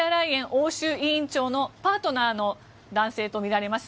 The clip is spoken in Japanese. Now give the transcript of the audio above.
欧州委員長のパートナーの男性とみられます。